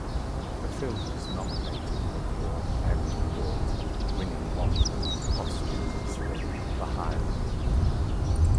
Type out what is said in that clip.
The film was nominated for four Emmy Awards, winning one posthumously for Hyland.